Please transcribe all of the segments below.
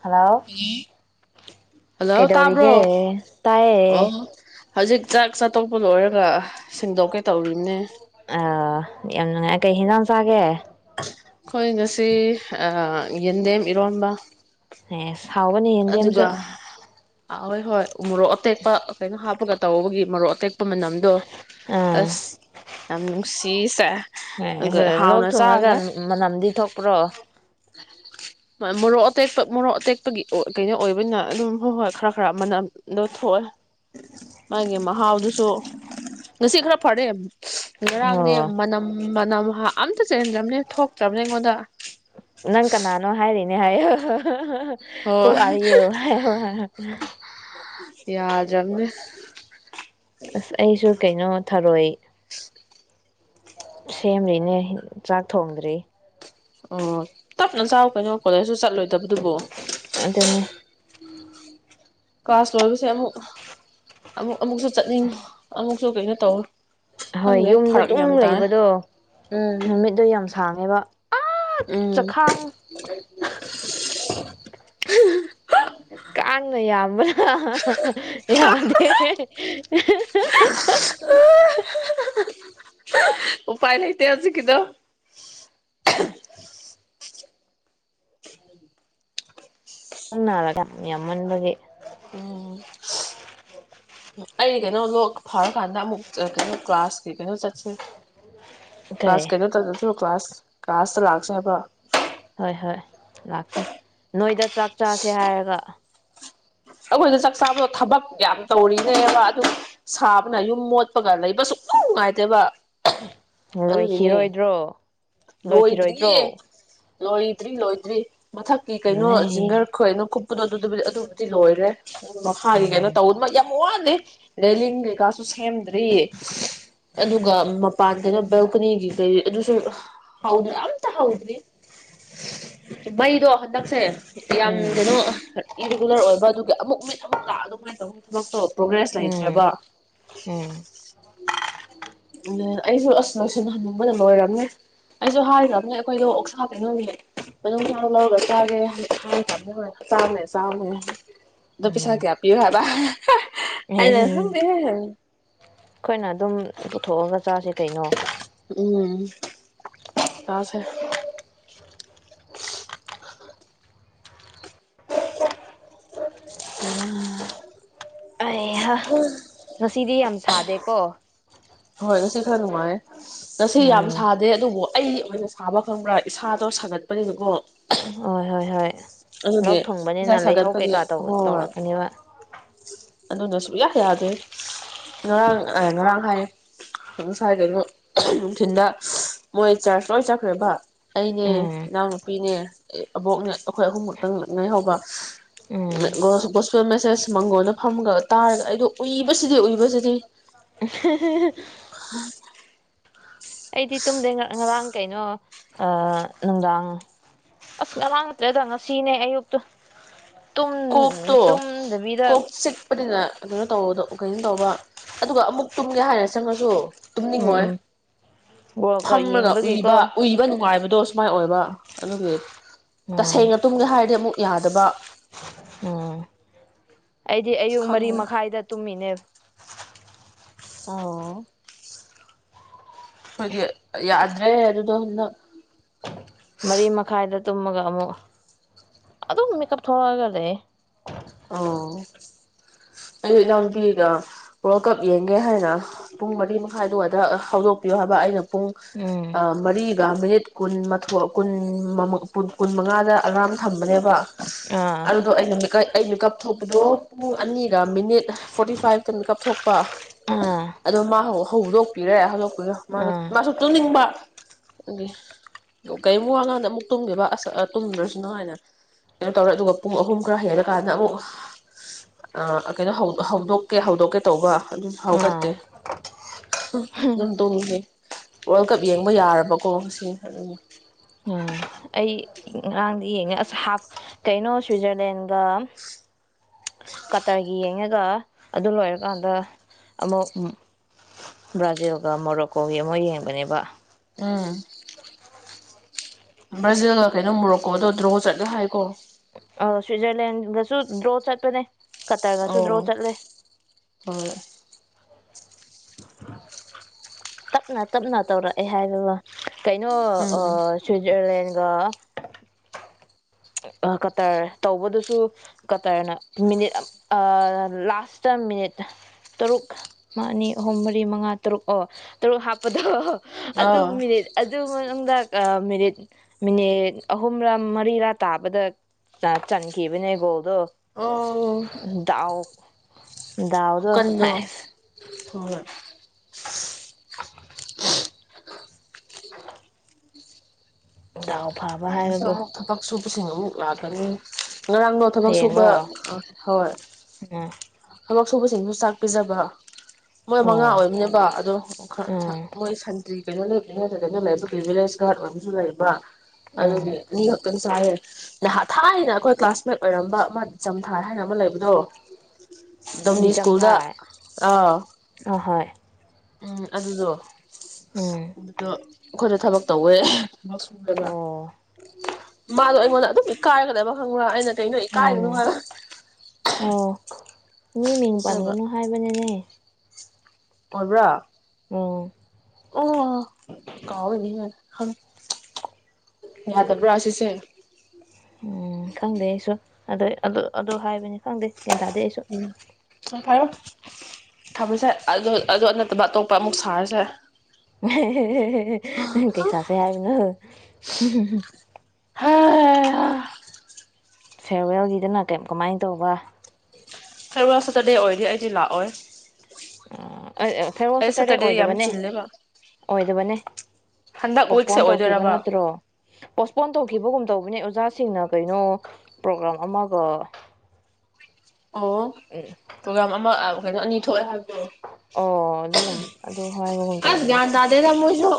ꯍꯜꯂꯥꯎ hello ꯀꯩꯗꯧꯔꯤꯒꯦ ꯇꯥꯕ꯭ꯔꯣ ꯇꯥꯏꯌꯦ ꯑꯣ ꯍꯧꯖꯤꯛ ꯆꯥꯛ ꯆꯥꯊꯣꯛꯄ ꯂꯣꯏꯔꯒ ꯁꯦꯡꯗꯣꯛꯀꯦ ꯇꯧꯔꯤꯅꯦ ꯑꯥ ꯌꯥꯝ ꯅꯨꯡꯉꯥꯏ ꯀꯩ ꯍꯦꯟꯖꯥꯡ ꯆꯥꯒꯦ ꯑꯩꯈꯣꯏ ꯉꯁꯤ ꯑꯥ ꯌꯦꯟꯗꯦꯝ ꯏꯔꯣꯟꯕ ꯑꯦꯁ ꯍꯥꯎꯕꯅꯤ ꯌꯦꯟꯗꯦꯝꯁꯨ ꯍꯥꯎꯋꯦ ꯍꯣꯏ ꯎ ꯃꯣꯔꯣꯛ ꯑꯇꯦꯛꯄ ꯀꯩꯅꯣ ꯍꯥꯞꯄꯒ ꯇꯧꯕꯒꯤ ꯃꯔꯣꯛ ꯑꯇꯦꯛ ꯄ ꯃꯅꯝꯗꯨ ꯑꯥ ꯑꯁ ꯌꯥꯝ ꯅꯨꯡꯁꯤ ꯏꯁ ꯁ ꯍꯦ ꯍꯥꯢꯖꯦ ꯂꯣꯛ [unintelligible] ꯊꯨꯡꯉꯒ ꯃꯅꯝꯗꯤ ꯊꯣꯛꯄ꯭ꯔꯣ ꯃꯣꯔꯣꯛ ꯑꯇꯦꯛꯄ ꯃꯣꯔꯣꯛ ꯑꯇꯦꯛꯄꯒꯤ ꯑꯣ ꯀꯩꯅꯣ ꯑꯣꯏꯕꯅꯤꯅ ꯑꯗꯨꯝ ꯍꯣꯏ ꯍꯣꯏ ꯈꯔ ꯈꯔ ꯃꯅꯝꯗꯣ ꯊꯣꯛꯑꯦ ꯃꯥꯒꯤ ꯃꯍꯥꯎꯗꯨꯁꯨ ꯉꯁꯤ ꯈꯔ ꯐꯔꯦ ꯉꯔꯥꯡꯅꯦ ꯑꯣ ꯃꯅꯝ ꯃꯅꯝ ꯍꯥ ꯑꯝ ꯇ ꯆꯦꯟꯗ꯭ꯔꯕꯅꯦ ꯊꯣꯛꯇ꯭ꯔꯕꯅꯦ ꯑꯩꯉꯣꯟꯗ ꯅꯪ ꯀꯅꯥꯅꯣ ꯍꯥꯏꯔꯤꯅꯦ ꯍꯥꯏꯌꯣ ꯍ ꯍ ꯍ ꯍ ꯍꯨ ꯑꯣ ꯑꯔ ꯌꯨ ꯍꯥꯏꯌꯣ ꯍ ꯌꯥꯗ꯭ꯔꯥꯕꯅꯦ ꯑꯁ ꯑꯩꯁꯨ ꯀꯩꯅꯣ ꯊꯔꯣꯏ ꯁꯦꯝꯔꯤꯅꯦ ꯆꯥꯛ ꯊꯣꯡꯗ꯭ꯔꯤ ꯑꯣ ꯇꯞꯅ ꯆꯥꯎ ꯀꯩꯅꯣ ꯀꯣꯜꯂꯦꯁꯁꯨ ꯆꯠꯂꯣꯏꯗꯕꯗꯨꯕꯨ ꯑꯗꯨꯅꯦ ꯀꯂ꯭ꯥꯁ ꯂꯣꯢꯕꯁꯦ ꯑꯃꯨꯛ ꯑꯃꯨꯛ ꯑꯃꯨꯛꯁꯨ ꯆꯠꯅꯤꯡ ꯑꯃꯨꯛꯁꯨ ꯀꯩꯅꯣ ꯇꯧꯋꯦ ꯍꯣꯏ ꯈꯪꯗꯦ ꯌꯨꯝꯗ ꯐꯔꯛ ꯗꯨꯡ ꯌꯥꯝ ꯇꯥꯏ ꯂꯩꯕꯗꯣ ꯎꯝ ꯅꯨꯃꯤꯠꯇꯣ ꯌꯥꯝ ꯁꯥꯡꯉꯦꯕ ꯑꯥ ꯎꯝ ꯆꯈꯥꯡ ꯢꯍꯝ ꯍꯝ ꯍꯥ ꯍꯥ ꯍꯥ ꯍꯥ ꯌꯥꯗꯦ [unintelligible] ꯎꯄꯥꯢ ꯂꯩꯇꯦ ꯍꯧꯖꯤꯛ ꯀꯤꯗꯣ ꯎꯪꯅꯔꯣꯢꯗ ꯌꯥꯝꯃꯟꯕꯒꯤ ꯎꯝ ꯑꯩ ꯀꯩꯅꯣ ꯂꯣꯛ ꯐꯥꯔꯀꯥꯟꯗ ꯑꯃꯨꯛ ꯀꯩꯅꯣ ꯀ꯭ꯂꯥꯁꯀꯤ ꯀꯩꯅꯣ ꯆꯠꯁꯦ ꯀꯩ ꯀ꯭ꯂꯥꯁ ꯀꯩꯅꯣ ꯆꯠꯇ꯭ꯔꯥꯁꯨ ꯀ꯭ꯂꯥꯁ ꯀ꯭ꯂꯥꯁꯇ ꯂꯥꯛꯁꯦ ꯍꯥꯏꯕ ꯍꯣꯏ ꯍꯣꯏ ꯂꯥꯛꯁꯦ ꯅꯣꯏꯗ ꯆꯥꯛ ꯆꯥꯁꯦ ꯍꯥꯏꯔꯒ ꯑꯩꯈꯣꯏꯗ ꯆꯥꯛ ꯆꯥꯕꯗꯣ ꯊꯕꯛ ꯌꯥꯝ ꯇꯧꯔꯤꯅꯦꯕ ꯑꯗꯨꯝ ꯁꯥꯕꯅ ꯌꯨꯝ ꯃꯣꯠꯄꯒ ꯂꯩꯕꯁꯨꯛ ꯅꯨꯡ ꯅꯨꯡꯉꯥꯏꯇꯦꯕ ꯑꯗꯨꯒꯤꯅꯦ ꯂꯣꯏꯈꯤꯔꯣꯏꯗ꯭ꯔꯣ ꯂꯣꯏꯈꯤꯔꯣꯏꯗ꯭ꯔꯣ ꯂꯣꯏꯗ꯭ꯔꯤꯌꯦ ꯂꯣꯏꯗ꯭ꯔꯤ ꯂꯣꯏꯗ꯭ꯔꯤ ꯃꯊꯛꯀꯤ ꯀꯩꯅꯣ ꯂꯩ ꯖꯤꯡꯒꯔ ꯈꯣꯢꯅꯥ ꯈꯨꯞ ꯀꯣꯗꯣ ꯑꯗꯨ ꯑꯗꯨꯕꯨꯗꯤ ꯂꯣꯏꯔꯦ ꯎꯝ ꯃꯈꯥꯒꯤ ꯎꯝ ꯀꯩꯅꯣ ꯇꯧꯒꯗꯕ ꯌꯥꯝ ꯋꯥꯠꯂꯤ ꯔꯦꯂꯤꯡ ꯀꯩꯀꯥꯁꯨ ꯁꯦꯝꯗ꯭ꯔꯤ ꯑꯗꯨꯒ ꯃꯄꯥꯟꯗꯅ ꯕꯦꯜꯀꯣꯅꯤꯒꯤ ꯀꯩ ꯑꯗꯨꯁꯨ ꯍꯧꯗ꯭ꯔꯤ ꯑꯝꯇ ꯍꯧꯗ꯭ꯔꯤ ꯃꯩꯗꯣ ꯍꯟꯗꯛꯁꯦ ꯌꯥꯝ ꯎꯝ ꯀꯩꯅꯣ ꯏꯔꯤꯒꯨꯂꯔ ꯑꯣꯏ ꯑꯗꯨꯒꯤ ꯑꯃꯨꯛ ꯃꯨꯠ ꯑꯃꯨꯛ ꯂꯥꯛ ꯑꯗꯨꯃꯥꯏꯅ ꯇꯧ ꯎꯝ ꯊꯕꯛꯇꯣ ꯄ꯭ꯔꯣꯒ꯭ꯔꯦꯁ ꯎꯝ ꯂꯩꯇ꯭ꯔꯕ ꯎꯝ ꯕꯡꯅꯦ ꯑꯩꯁꯨ ꯑꯁ ꯂꯣꯢꯁꯤꯟ ꯍꯟꯅꯤꯡꯕꯅ ꯂꯣꯏꯔꯕꯅꯦ ꯑꯩꯁꯨ ꯍꯥꯏꯈ꯭ꯔꯕꯅꯦ ꯑꯩꯈꯣꯏꯗꯣ ꯑꯣꯛꯁꯥ ꯀꯩꯅꯣꯅꯦ ꯑꯗꯨ ꯂꯧꯔꯒ ꯆꯥꯒꯦ ꯍꯥꯏ ꯍꯥꯏꯈ꯭ꯔꯥꯕꯅꯦ ꯍꯣꯢ ꯆꯥꯕꯅꯦ ꯆꯥꯕꯅꯦ ꯑꯗꯨ ꯄꯩꯁꯥ ꯀꯌꯥ ꯄꯤꯌꯨ ꯍꯥꯏꯕ ꯍꯥꯍꯥ ꯑꯦꯍꯝ ꯑꯩꯈꯣꯏꯅ ꯑꯗꯨꯝ ꯄꯨꯊꯣꯛꯑꯒ ꯆꯥꯁꯦ ꯀꯩꯅꯣ ꯎꯝ ꯆꯥꯁꯦ ꯑꯥ ꯑꯩꯍꯥ ꯉꯥꯁꯤꯗꯤ ꯌꯥꯝ ꯁꯥꯗꯦ ꯀꯣ ꯍꯣꯏ ꯉꯁꯤ ꯈ꯭ꯔ ꯅꯨꯡꯉꯥꯏ ꯉꯁꯤ ꯌꯥꯝ ꯎꯝ ꯁꯥꯗꯦ ꯑꯗꯨꯕꯨ ꯑꯩ ꯑꯣꯏꯅ ꯁꯥꯕ ꯈꯪꯕ꯭ꯔꯥ ꯏꯁꯥꯗꯣ ꯁꯥꯒꯠꯄꯅꯤꯅꯀꯣ ꯍ ꯍꯣꯏ ꯍꯣꯏ ꯂꯣꯛ ꯑꯗꯨꯒꯤ ꯏꯁꯥ ꯊꯨꯡꯕꯅꯤꯅ ꯂꯩꯍꯧ ꯁꯥꯒꯠꯄꯒꯤ ꯀꯩꯀꯥ ꯇꯧ ꯍꯣꯏ ꯇꯧꯔꯛꯀꯅꯦꯕ ꯑꯗꯨꯅ ꯁꯨꯛꯌꯥ ꯌꯥꯗꯦ ꯉꯔꯥꯡ ꯉꯔꯥꯡ ꯍꯥꯏꯌꯦ ꯉꯁꯥꯏꯗꯩꯅꯣ ꯅꯨꯡꯊꯤꯟꯗ ꯃꯣꯏ ꯆꯔꯆ ꯂꯣꯏ ꯆꯠꯈ꯭ꯔꯒ ꯑꯩꯅꯦ ꯎꯝ ꯏꯅꯥꯎꯅꯨꯄꯤꯅꯦ ꯑꯕꯣꯛꯅ ꯑꯩꯈꯣꯏ ꯑꯍꯨꯝ ꯃꯛꯇꯪ ꯉꯥꯏꯍꯧꯕ ꯎꯝ ꯒꯦꯁꯄꯦꯜ ꯃꯁꯦꯁ ꯃꯪꯒꯣꯟꯗ ꯐꯝꯒ ꯇꯥꯔꯒ ꯑꯩꯗꯣ ꯎꯏꯕꯁꯤꯗꯤ ꯎꯏꯕꯁꯤꯗꯤ ꯍꯦꯍꯦꯍꯦ ꯑꯩꯗꯤ ꯇꯨꯝꯗꯩ ꯉꯔꯥꯡ ꯀꯩꯅꯣ ꯑꯥ ꯅꯨꯡꯗꯥꯡ ꯑꯁ ꯉꯔꯥꯡ ꯅꯠꯇ꯭ꯔꯦꯗ ꯉꯁꯤꯅꯦ ꯑꯌꯨꯛꯇꯨ ꯇꯨꯝ ꯀꯣꯛꯇꯣ ꯀꯣꯛ ꯇꯨꯝꯗꯕꯤꯗ ꯆꯤꯛꯄꯅꯤꯅ ꯀꯩꯅꯣ ꯇꯧꯕꯗꯣ ꯀꯩꯅꯣ ꯇꯧꯕ ꯑꯗꯨꯒ ꯑꯃꯨꯛ ꯇꯨꯝꯒꯦ ꯍꯥꯏꯔꯦ ꯆꯪꯉꯁꯨ ꯇꯨꯝꯅꯤꯡꯉꯣꯏ ꯎꯝ ꯋꯥꯔꯜ ꯀꯞ ꯐꯝꯃꯒ ꯎꯏꯕ ꯌꯦꯡꯕꯒꯤꯀꯣ ꯎꯏꯕ ꯅꯨꯡꯉꯥꯏꯕꯗꯨ ꯁꯨꯃꯥꯏꯅ ꯑꯣꯏꯕ ꯑꯗꯨꯒꯤ ꯎꯝ ꯇꯁꯦꯡꯅ ꯇꯨꯝꯒꯦ ꯍꯥꯏꯔꯗꯤ ꯑꯃꯨꯛ ꯌꯥꯗꯕ ꯎꯝ ꯑꯩꯗꯤ ꯑꯌꯨꯛ ꯃꯔꯤ ꯈꯪꯗꯦ ꯃꯈꯥꯏꯗ ꯇꯨꯝꯃꯤꯅꯦꯕ [inaudible] ꯑꯣ ꯑꯩꯈꯣꯏꯗꯤ ꯌꯥꯗ꯭ꯔꯦ ꯗꯨꯗꯣ ꯍꯟꯗꯛ ꯃꯔꯤ ꯃꯈꯥꯏꯗ ꯇꯨꯝꯃꯒ ꯑꯃꯨꯛ ꯑꯗꯨꯝ ꯃꯤꯀꯞ ꯊꯣꯛꯂꯛꯑꯒ ꯂꯩ ꯑꯣ ꯑꯩ ꯏꯅꯥꯎꯕꯤꯒꯤꯗ ꯋꯥꯔꯜ ꯀꯞ ꯌꯦꯡꯒꯦ ꯍꯥꯏꯅ ꯄꯨꯡ ꯃꯔꯤ ꯃꯈꯥꯏꯗꯨꯋꯥꯏꯗ ꯍꯧꯗꯣꯛꯄꯤꯌꯣ ꯍꯥꯏꯕ ꯑꯩꯅ ꯄꯨꯡ ꯎꯝ ꯑꯥ ꯃꯔꯤꯒ ꯃꯤꯅꯤꯠ ꯀꯨꯟꯃꯊꯣ ꯀꯨꯟ ꯃꯉꯥꯗ ꯑꯦꯂꯥꯝ ꯊꯝꯕꯅꯦꯕ ꯑꯥ ꯑꯗꯨꯗꯣ ꯑꯩ ꯅꯨꯃꯤꯠ ꯑꯩ ꯃꯤꯀꯞ ꯊꯣꯛꯄꯗꯣ ꯄꯨꯡ ꯑꯅꯤꯒ ꯃꯤꯅꯤꯠ ꯐꯣꯔꯇꯤ ꯐꯥꯏꯚꯇ ꯃꯤꯀꯞ ꯊꯣꯛꯄ ꯑꯥ ꯑꯗꯣ ꯃꯥ ꯍꯧꯗꯣꯛꯄꯤꯔꯦ ꯍꯧꯗꯣꯛꯄꯤꯔꯣ ꯃꯥꯗꯣ ꯑꯥ ꯃꯥꯁꯨ ꯇꯨꯝꯅꯤꯡꯕ ꯑꯗꯨꯒꯤ ꯀꯔꯤꯝꯨꯛ ꯋꯥꯉꯥꯡꯗ ꯑꯃꯨꯛ ꯇꯨꯝꯒꯦꯕ ꯑꯁ ꯑ ꯇꯨꯝꯗ꯭ꯔꯁꯨ ꯅꯨꯡꯉꯥꯏꯅ ꯀꯩꯅꯣ ꯇꯧꯔꯦ ꯑꯗꯨꯒ ꯄꯨꯡ ꯑꯍꯨꯝ ꯈꯔ ꯍꯦꯟꯅ ꯀꯥꯟꯗ ꯑꯃꯨꯛ ꯑꯥ ꯀꯩꯅꯣ ꯍꯧꯗꯣꯛꯀꯦ ꯍꯧꯗꯣꯛꯀꯦ ꯇꯧꯕ ꯑꯗꯨ ꯑꯥ ꯍꯧꯒꯠꯇꯦ ꯗꯨꯝ ꯇꯨꯝꯈꯤ ꯋꯥꯔꯜ ꯀꯞ ꯌꯦꯡꯕ ꯌꯥꯔꯕꯀꯣ ꯁꯤ ꯑꯗꯨ ꯎꯝ ꯑꯩ ꯉꯔꯥꯡꯗꯤ ꯌꯦꯡꯉꯦ ꯑꯁ ꯍꯥꯞ ꯀꯩꯅꯣ ꯁ꯭ꯋꯤꯖꯔꯂꯦꯟꯒ ꯀꯇꯔꯒꯤ ꯌꯦꯡꯉꯒ ꯑꯗꯨ ꯂꯣꯏꯔꯀꯥꯟꯗ ꯑꯃꯨꯛ ꯕ꯭ꯔꯥꯖꯤꯜꯒ ꯃꯣꯔꯣꯛꯀꯣꯒꯤ ꯑꯃꯨꯛ ꯌꯦꯡꯕꯅꯦꯕ ꯎꯡ ꯕ꯭ꯔꯥꯖꯤꯜꯒ ꯀꯩꯅꯣ ꯃꯣꯔꯣꯀꯣꯒꯗꯣ ꯗ꯭ꯔꯣ ꯆꯠꯂꯦ ꯍꯥꯏꯀꯣ ꯑ ꯁ꯭ꯋꯤꯖꯔꯂꯦꯟꯗꯁꯨ ꯗ꯭ꯔꯣ ꯆꯠꯄꯅꯦ ꯀꯇꯔꯒꯁꯨꯨ ꯗ꯭ꯔꯣ ꯑꯣ ꯆꯠꯂꯦ ꯍꯣꯏ ꯇꯞꯅ ꯇꯞꯅ ꯇꯧꯔꯛꯑꯦ ꯍꯥꯏꯕꯋꯥ ꯀꯩꯅꯣ ꯎꯝ ꯁ꯭ꯋꯤꯠꯖꯔꯂꯦꯟ ꯒꯥ ꯀꯇꯔ ꯇꯧꯕꯗꯨꯁꯨ ꯀꯇꯔꯅ ꯃꯤꯅꯤꯠ ꯑꯥ ꯂꯥꯁꯇ ꯃꯤꯅꯤꯠ ꯇꯔꯨꯛ ꯑꯅꯤ ꯑꯍꯨꯝ ꯃꯔꯤ ꯃꯉꯥ ꯇꯔꯨꯛ ꯑꯣ ꯇꯔꯨꯛ ꯍꯥꯞꯄꯗꯣ ꯑꯗꯨ ꯑꯥ ꯃꯤꯅꯤꯠ ꯑꯗꯨ ꯃꯅꯨꯡꯗ ꯑꯥ ꯃꯤꯅꯤꯠ ꯃꯤꯅꯤꯠ ꯑꯍꯨꯝꯔꯥ ꯃꯔꯤꯔꯥ ꯇꯥꯕꯗ ꯆ ꯆꯟꯈꯤꯕꯅꯦ ꯒꯣꯜ ꯗꯣ ꯑꯣ ꯎꯝ ꯗꯥꯎ ꯗꯥꯎꯗꯣ ꯍꯥꯢꯁ ꯍꯣꯍꯣꯢ [inaudible] ꯗꯥꯎ ꯐꯕ ꯌꯦꯡꯁꯦ ꯍꯥꯏꯕꯕꯨ ꯂꯥꯎ ꯊꯕꯛ ꯁꯨꯕꯁꯤꯡ ꯑꯃꯨꯛ ꯋꯥꯒꯅꯤ ꯉꯔꯥꯡꯗꯣ ꯊꯕꯛ ꯁꯨꯕ ꯍꯌꯦꯡꯔꯣ ꯑꯥ ꯍꯣꯏ ꯎꯝ ꯊꯕꯛ ꯁꯨꯕꯁꯤꯡꯗꯨ ꯆꯥꯛ ꯄꯤꯖꯕꯔ ꯃꯣꯏ ꯃꯉꯥ ꯑꯣ ꯑꯣꯏꯕꯅꯦꯕ ꯑꯗꯣ ꯈꯔ ꯈ ꯎꯝ ꯃꯣꯏ ꯁꯟ ꯗꯤ ꯀꯩꯅꯣ ꯅꯣꯢ ꯀꯩꯅꯣꯗ ꯅꯛꯅꯅ ꯂꯩꯕꯗꯨ ꯀꯔꯤ ꯚꯤꯂꯦꯖ ꯒꯥꯔꯗꯠ ꯑꯣꯏꯕꯁꯨ ꯂꯩꯕ꯭ꯔꯥ ꯎꯝ ꯑꯗꯨꯒꯤ ꯑꯅꯤꯈꯛꯇꯪ ꯆꯥꯏꯌꯦ ꯅꯍꯥ ꯊꯥꯏꯅ ꯑꯩꯈꯣꯏ ꯀ꯭ꯂꯥꯁꯃꯦꯠ ꯑꯣꯏꯔꯝꯕ ꯃꯥꯆꯝꯊꯥ ꯍꯥꯏꯅ ꯑꯃ ꯂꯩꯕꯗꯣ ꯗꯣꯝꯅꯤ ꯁ꯭ꯀꯨꯜꯗ ꯗꯤꯆꯝꯊꯥꯏ ꯑꯥ ꯑꯍꯣꯏ ꯎꯝ ꯑꯗꯨꯗꯣ ꯎꯝ ꯑꯗꯣ ꯑꯩꯈꯣꯏꯗ ꯊꯕꯛ ꯇꯧꯋꯦ ꯃꯁꯨꯡꯂꯒ ꯑꯣ ꯃꯥꯗꯣ ꯑꯩꯉꯣꯟꯗ ꯑꯗꯨꯝ ꯢꯀꯥꯏꯔꯒ ꯂꯩꯕ ꯈꯪꯕ꯭ꯔꯥ ꯑꯩꯅ ꯀꯩꯅꯣ ꯏꯀꯥꯏꯅꯣ ꯎꯝ ꯍꯥꯏꯕ ꯑꯣ ꯃꯤ ꯃꯤꯡ ꯑꯗꯨꯒ ꯄꯟꯒꯅꯨ ꯍꯥꯏꯕꯅꯤꯅꯦ ꯑꯣꯏꯕ꯭ꯔꯥ ꯎꯝ ꯑꯣ ꯀꯥꯎꯏꯅꯤ ꯍꯪ ꯌꯥꯗꯕ꯭ꯔꯥ ꯑꯁꯤꯁꯦ ꯎꯝ ꯈꯪꯗꯦ ꯑꯩꯁꯨ ꯑꯗ ꯑꯗꯨ ꯑꯗꯨ ꯍꯥꯏꯕꯅꯤ ꯈꯪꯗꯦ ꯒ꯭ꯌꯥꯟ ꯇꯥꯗꯦ ꯑꯩꯁꯨ ꯎꯝ ꯆ ꯐꯥꯢꯔꯣ ꯊꯥꯕꯜꯁꯦ ꯑꯗꯨ ꯑꯗꯨ ꯅꯠꯇꯕ ꯑꯇꯣꯞꯄ ꯑꯃꯨꯛ ꯁꯥꯔꯁꯦ ꯑꯍꯦ ꯍꯦ ꯍꯦ ꯍꯦ ꯀꯩ ꯁꯥꯁꯦ ꯍꯥꯏꯕꯅꯣ ꯎꯝ ꯍꯝ ꯍꯝ ꯑꯦ ꯍ ꯐꯤꯌꯔꯋꯦꯜꯒꯤꯗꯨꯅ ꯀꯩꯝ ꯀꯃꯥꯏꯟ ꯇꯧꯕ ꯐ꯭ꯌꯔꯋꯦꯜ ꯁꯇꯔꯗꯦ ꯑꯣꯏꯗꯤ ꯑꯩꯗꯤ ꯂꯥꯛꯑꯣꯏ ꯑꯝ ꯑ ꯑꯩ ꯐꯌ꯭ꯔꯋꯦꯜ ꯁꯇꯔꯗꯦ ꯁꯦꯇꯔꯗꯦ ꯌꯥꯝ ꯑꯣꯏꯗꯕꯅꯦ ꯆꯤꯜꯂꯦꯕ ꯑꯣꯏꯗꯕꯅꯦ ꯍꯟꯗꯛ ꯋꯤꯛꯁꯦ ꯄꯣꯁꯄꯣꯟ ꯇꯧꯈꯤꯕ ꯑꯣꯏꯗꯣꯏꯔꯕ ꯅꯠꯇ꯭ꯔꯣ ꯄꯣꯁꯄꯣꯟ ꯇꯧꯈꯤꯕꯒꯨꯝ ꯇꯧꯕꯅꯦ ꯑꯣꯖꯥꯁꯤꯡꯅ ꯀꯩꯅꯣ ꯄ꯭ꯔꯣꯒ꯭ꯔꯥꯝ ꯑꯃꯒ ꯑꯣ ꯄꯣꯒ꯭ꯔꯥꯝ ꯑꯃ ꯀꯩꯅꯣ ꯑꯅꯤ ꯊꯣꯛꯑꯦ ꯍꯥꯏꯕꯗꯣ ꯑꯣ ꯑꯗꯨꯒꯨꯝ ꯑꯗꯨ ꯍꯥꯏꯕꯒꯨꯝ ꯑꯁ ꯇꯧꯕꯅꯦ ꯒ꯭ꯌꯥꯟ ꯑꯩꯁꯨ ꯇꯥꯗꯦꯗ ꯃꯣꯏꯁꯨ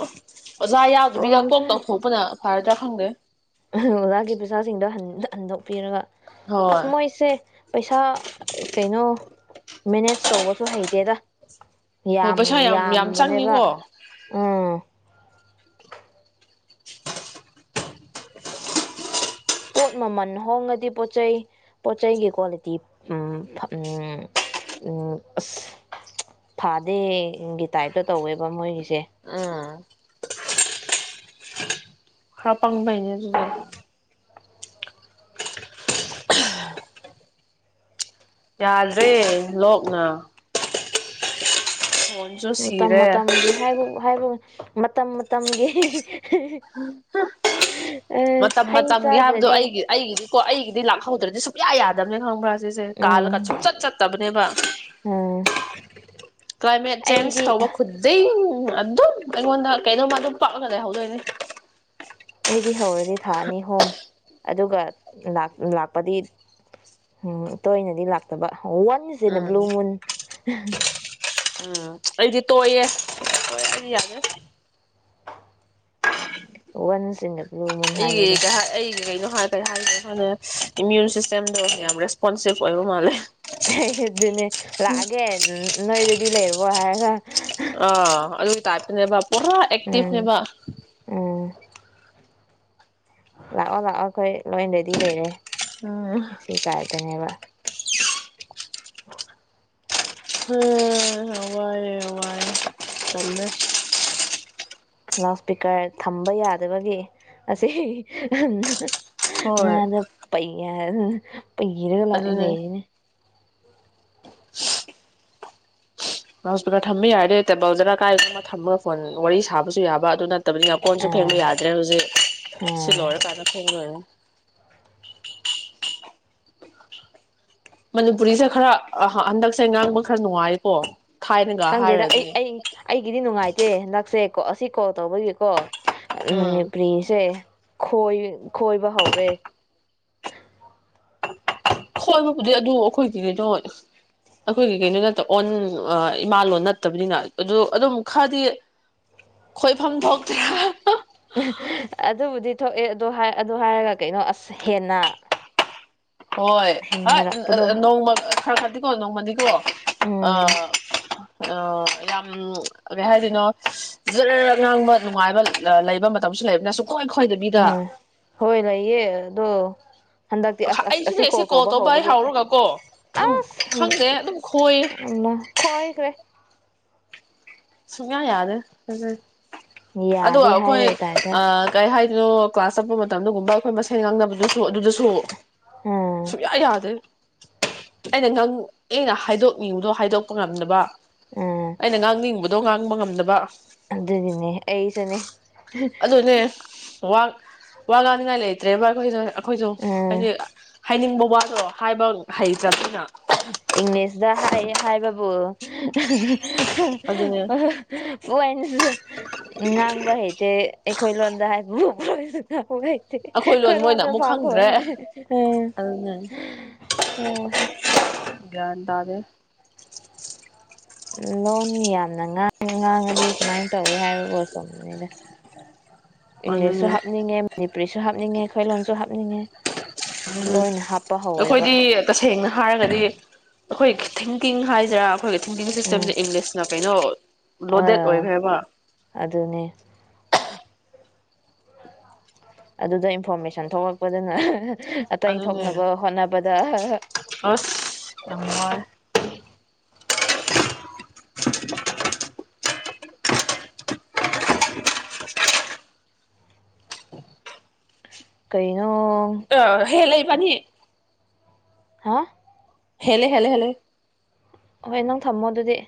ꯑꯣꯖꯥ ꯌꯥꯎꯗꯕꯤꯗ ꯀꯣꯛ ꯄ꯭ꯔꯣꯒ꯭ꯔꯥꯝꯁꯦ ꯇꯧꯊꯣꯛꯄꯅ ꯐꯔꯗ꯭ꯔꯥ ꯈꯪꯗꯦ ꯑꯣꯖꯥꯒꯤ ꯄꯩꯁꯥꯁꯤꯡꯗꯣ ꯍꯟ ꯍꯟꯗꯣꯛꯄꯤꯔꯒ ꯑꯁ ꯍꯣꯏ ꯃꯣꯏꯁꯦ ꯄꯩꯁꯥ ꯀꯩꯅꯣ ꯃꯦꯅꯦꯖ ꯇꯧꯕꯁꯨ ꯍꯩꯇꯦꯗ ꯍꯣꯏ ꯌꯥꯝ ꯄꯩꯁꯥ ꯌꯥꯝ ꯌꯥꯝꯕꯅꯦꯕ ꯆꯪꯉꯤꯀꯣ ꯎꯝ ꯄꯣꯠ ꯃꯃꯟ ꯍꯣꯡꯉꯗꯤ ꯄꯣꯠꯆꯩ ꯄꯣꯠ ꯆꯩꯩꯒꯤ ꯀ꯭ꯋꯥꯂꯤꯇꯤꯎꯝ ꯎꯝ ꯎꯝ ꯑꯁ ꯐꯥꯗꯦꯒꯤ ꯇꯥꯏꯞꯇ ꯇꯧꯋꯦꯕ ꯃꯣꯏꯒꯤꯁꯦ ꯎꯝ ꯈꯔ ꯄꯪꯕꯩꯅꯦ ꯑꯗꯨꯗꯣ ꯌꯥꯗ꯭ꯔꯦ ꯂꯣꯛꯅ ꯈꯣꯟꯖꯨ ꯃꯇꯝ ꯁꯤꯔꯦ ꯃꯇꯝꯒꯤ ꯍꯥꯏꯕ ꯍꯥꯏꯕ ꯃꯇꯝ ꯃꯇꯝꯒꯤ [unintelligible] ꯍꯤ ꯃꯇꯝ ꯃꯇꯝꯒꯤ ꯍꯥꯏꯕꯗꯣ ꯑꯩꯒꯤ ꯑꯩꯒꯤꯗꯤ ꯀꯣ ꯑꯩꯒꯤꯗꯤ ꯂꯥꯛꯍꯧꯗ꯭ꯔꯗꯤ ꯁꯨꯛꯌꯥ ꯌꯥꯗꯕꯅꯦ ꯈꯪꯕ꯭ꯔꯥ ꯆꯦ ꯎꯝ ꯀꯥꯜꯂꯒ ꯁꯨꯡꯆꯠ ꯆꯠꯇꯕ ꯅꯦꯕꯥ ꯎꯝ ꯀ꯭ꯂꯥꯏꯃꯦꯠ ꯆꯦꯟꯖ ꯑꯩꯗꯤ ꯇꯧꯕ ꯈꯨꯗꯤꯡ ꯎꯝ ꯑꯗꯨꯝ ꯑꯩꯪꯉꯣꯟꯗ ꯀꯩꯅꯣꯃꯥ ꯑꯗꯨꯝ ꯄꯛꯑꯒ ꯂꯩꯍꯧꯗꯣꯏꯅꯦ ꯑꯗꯩ ꯊꯥ ꯑꯅꯤ ꯍꯨꯝ ꯑꯗꯨꯒ ꯂꯥꯛ ꯂꯥꯛꯄꯗꯤ ꯍꯨꯝ ꯇꯣꯏꯅꯗꯤ ꯂꯥꯛꯇꯕ ꯋꯥꯟꯅꯁ ꯏꯟ ꯑꯦ ꯎꯝ ꯕ꯭ꯂꯨ ꯃꯨꯟ ꯎꯝ ꯑꯩꯗꯤ ꯇꯣꯏꯌꯦ ꯇꯣꯏꯌꯦ ꯑꯩꯗꯤ ꯌꯥꯗꯦ ꯋꯥꯟꯁ ꯆꯤꯡꯉ ꯑꯩꯒꯤ ꯀꯩ ꯍꯥꯏ ꯑꯩꯒꯤ ꯀꯩꯅꯣ ꯍꯥꯏ ꯀꯩ ꯍꯥꯏꯒ꯭ꯔꯦ ꯈꯣꯏꯅ ꯏꯃ꯭ꯌꯨꯟ ꯁꯤꯁꯇꯦꯝꯗꯣ ꯌꯥꯝ ꯔꯦꯁꯄꯣꯟꯁꯤꯞ ꯑꯣꯏꯕ ꯃꯥꯜꯂꯦ ꯍꯦ ꯍꯦ ꯑꯗꯨꯅꯦ ꯂꯥꯛꯑꯒꯦ ꯅꯣꯏ ꯗꯤ ꯂꯩꯔꯕꯣ ꯍꯥꯏꯔꯒ ꯑ ꯑꯗꯨ ꯇꯥꯏꯞ ꯇꯅꯦꯕꯥ ꯄꯨꯔꯥ ꯎꯝ ꯑꯦꯛꯇꯤꯚꯅꯦꯕ ꯎꯝ ꯂꯥꯛꯑꯣ ꯂꯥꯛꯑꯣ ꯑꯩꯈꯣꯏ ꯂꯣꯏ ꯔꯦꯗꯤ ꯂꯩꯔꯦ ꯎꯝ ꯁꯤ ꯇꯥꯏꯞꯇꯅꯦꯕ ꯍꯝ ꯍꯋꯥꯏ ꯇꯜꯂꯦ ꯂꯥꯎꯠ ꯏꯁꯄꯤꯀꯔ ꯊꯝꯕ ꯌꯥꯗꯕꯒꯤ ꯑꯁꯤ ꯍꯣꯏ ꯄꯩ ꯍꯥꯏ ꯄꯩꯔꯒ ꯂꯥꯛꯏ ꯑꯗꯨꯅꯦ ꯂꯩꯔꯤꯅꯦ ꯂꯥꯎꯗ ꯁ꯭ꯄꯤꯀꯔ ꯊꯝꯕ ꯌꯥꯔꯗꯦ ꯇꯦꯕꯜꯗꯔ ꯀꯥꯏꯗꯅꯣꯃ ꯊꯝꯃꯒ ꯐꯣꯟ ꯋꯥꯔꯤ ꯁꯥꯕꯁꯨ ꯌꯥꯕ ꯑꯗꯨꯅ ꯅꯇꯕꯅꯤꯅ ꯀꯣꯟꯁꯨ ꯐꯦꯡꯕ ꯑꯥ ꯌꯥꯗ꯭ꯔꯦ ꯍꯧꯖꯤꯛ ꯁꯤ ꯑꯥ ꯂꯣꯏꯔꯀꯥꯟꯗ ꯐꯦꯡꯂꯣꯏꯅ [inaudible] ꯃꯅꯤꯄꯨꯔꯤꯁꯦ ꯈꯔ ꯍꯟꯗꯛꯁꯦ ꯉꯥꯡꯕ ꯈꯔ ꯅꯨꯡꯉꯥꯏꯀꯣ ꯊꯥꯏꯅꯒ ꯈꯪꯗꯦꯗ ꯑꯩ ꯍꯥꯏꯔꯗꯤ ꯑꯩ ꯑꯩꯒꯤꯗꯤ ꯅꯨꯡꯉꯥꯏꯇꯦ ꯍꯟꯗꯛꯁꯦ ꯀꯣ ꯑꯁꯤ ꯀꯣꯜ ꯇꯧꯕꯒꯤꯀꯣ ꯎꯝ ꯃꯅꯤꯄꯨꯔꯤꯁꯦ ꯈꯣꯏ ꯈꯣꯏ ꯈꯣꯏꯕ ꯍꯧꯔꯦ ꯈꯣꯏꯕꯕꯨꯗꯤ ꯑꯗꯨ ꯑꯩꯈꯣꯏꯒꯤ ꯀꯩꯅꯣ ꯑꯩꯈꯣꯏꯒꯤ ꯀꯩꯅꯣ ꯅꯠꯇ ꯑꯣꯟ ꯏꯃꯥ ꯂꯣꯟ ꯅꯠꯇꯕꯅꯤꯅ ꯑꯗꯨ ꯑꯗꯨꯝ ꯈꯔꯗꯤ ꯈꯣꯏꯐꯝ ꯊꯣꯛꯇꯦ ꯑꯗꯨꯕꯨꯗꯤ ꯊꯣꯛꯑꯦ ꯑꯗꯨ ꯑꯗꯨ ꯍꯥꯏꯔꯒ ꯀꯩꯅꯣ ꯑꯁ ꯍꯦꯟꯅ ꯍꯣꯏ ꯍ ꯍꯦꯟꯒꯠꯂꯛꯄꯗꯣ ꯅꯣꯡꯃ ꯈꯔ ꯈꯔ ꯀꯣ ꯅꯣꯡꯃꯗꯤꯀꯣ ꯑ ꯎꯝ ꯌꯥꯝ ꯀꯩ ꯍꯥꯏꯗꯣꯢꯅꯣ ꯖꯔ ꯖꯔ ꯉꯥꯡꯕ ꯅꯨꯡꯉꯥꯏꯕ ꯂꯩꯕ ꯃꯇꯝꯁꯨ ꯂꯩꯕꯅꯦ ꯑꯁꯨ ꯍꯣꯏ ꯍꯣꯏ ꯂꯩꯌꯦ ꯑꯗꯣ ꯍꯟꯗꯛꯇꯤ ꯑꯁ ꯑꯁ ꯑꯁꯤ ꯑꯩꯁꯨꯅꯦ ꯁꯤ ꯀꯣꯜ ꯇꯧꯕ ꯍꯦꯛ ꯍꯧꯕꯒꯤ ꯍꯧꯔꯒꯀꯣ ꯑꯗꯨꯝ ꯑꯁ ꯈꯪꯗꯦ ꯑꯗꯨꯝ ꯈꯣꯏꯌꯦ ꯃꯥ ꯈꯣꯏꯈ꯭ꯔꯦ ꯁꯨꯛꯌꯥ ꯌꯥꯗꯦ ꯑꯗꯨ ꯌꯥꯗꯦ ꯑꯩꯈꯣꯏ ꯍꯥꯏꯕꯩ ꯇꯥꯏꯞꯇ ꯀꯩ ꯍꯥꯏ ꯀꯩꯅꯣ ꯀ꯭ꯂꯥꯁ ꯆꯠꯄ ꯃꯇꯝꯗꯒꯨꯝꯕ ꯑꯩꯈꯣꯏ ꯃꯁꯦꯟ ꯉꯥꯡꯅꯕꯗꯨꯁꯨ ꯑꯗꯨꯗꯁꯨ ꯎꯝ ꯁꯨꯡꯌꯥ ꯌꯥꯗꯦ ꯑꯩꯅ ꯅꯪ ꯑꯩꯅ ꯍꯥꯏꯗꯣꯛꯅꯤꯡꯕꯗꯣ ꯍꯥꯏꯗꯣꯛꯄ ꯉꯝꯗꯕ ꯎꯝ ꯑꯩꯅ ꯉꯥꯡꯅꯤꯡꯕ ꯉꯥꯡꯕ ꯉꯝꯗꯕ ꯑꯗꯨꯒꯤꯅꯦ ꯑꯩꯁꯨꯅꯦ ꯑꯗꯨꯅꯦ ꯋꯥ ꯋꯥ ꯉꯥꯡꯅꯤꯡꯉꯥꯏ ꯂꯩꯇ꯭ꯔꯦꯕ ꯑꯩꯈꯣꯏ ꯁꯦ ꯑꯩꯈꯣꯏꯁꯨ ꯎꯝ ꯍꯥꯏꯗꯤ ꯍꯥꯏꯅꯤꯡꯕ ꯋꯥꯗꯣ ꯍꯥꯏꯕ ꯍꯩ ꯇ꯭ꯔꯕꯅꯤꯅ ꯏꯪꯂꯤꯁꯇ ꯍꯥꯏ ꯍꯥꯏ ꯕꯕꯨ [unintelligible] ꯑꯗꯨꯅꯦ ꯄ ꯑꯅꯁꯨ ꯉꯥꯡꯕ ꯍꯩꯇꯦ ꯑꯩꯈꯣꯏ ꯂꯣꯟꯗ ꯍꯥꯏꯕꯨ ꯍ ꯍꯣꯢ ꯑꯩꯈꯣꯏ ꯂꯣꯟ ꯃꯣꯏꯅ ꯑꯃꯨꯛ ꯈꯪꯗ꯭ꯔꯦ ꯑꯗꯨꯅꯦ [unintelligible] ꯒ꯭ꯌꯥꯟ ꯇꯥꯗꯦꯗ ꯂꯣꯟ ꯌꯥꯝꯅꯥ ꯉꯥꯡꯉꯗꯤ ꯁꯨꯃꯥꯏꯅ ꯇꯧꯋꯤ ꯍꯥꯏꯕꯕꯨ ꯆꯨꯝꯕꯅꯤꯗ ꯏꯪꯂꯤꯁꯁꯨ ꯑꯗꯨꯅꯦ ꯍꯥꯞꯅꯤꯡꯉꯦ ꯃꯅꯤꯄ ꯄꯨꯔꯤꯁꯨ ꯍꯥꯞꯅꯤꯡꯉꯦ ꯈꯣꯏꯂꯣꯟꯁꯨ ꯍꯥꯞꯅꯤꯡꯉꯦ ꯎꯝ ꯂꯣꯏꯅ ꯍꯥꯞꯄ ꯑꯩꯈꯣꯏꯗꯤ ꯍꯧꯋꯦꯕ ꯇꯁꯦꯡꯅ ꯍꯥꯏꯔꯒꯗꯤ ꯑꯩꯈꯣꯏ ꯊꯤꯡꯀꯤꯡ ꯍꯥꯏꯁꯤꯔꯥ ꯑꯩꯈꯣꯏꯒꯤ ꯊꯤꯡꯀꯤꯡ ꯎꯝ ꯁꯤꯁꯇꯦꯝꯁꯦ ꯏꯪꯂꯤꯁꯅ ꯀꯩꯅꯣ ꯂꯣꯗꯦꯠ ꯑꯥ ꯑꯣꯏꯈ꯭ꯔꯕ ꯑꯗꯨꯅꯦ ꯑꯗꯨꯗ ꯏꯟꯐꯣꯔꯃꯦꯁꯟ ꯊꯣꯛꯂꯛꯄꯗꯅ ꯑꯇꯩ ꯑꯗꯨꯅꯦ ꯊꯣꯛꯅꯕ ꯍꯣꯠꯅꯕꯗ ꯑꯁ ꯌꯥꯝ ꯋꯥꯏ ꯀꯩ ꯑ ꯍꯦꯜꯂꯦ ꯐꯅꯤ ꯍꯥ ꯍꯦꯂꯦ ꯍꯦꯂꯦ ꯍꯦꯂꯦ ꯍꯣꯏ ꯅꯪ ꯊꯝꯃꯣ ꯑꯗꯨꯗꯤ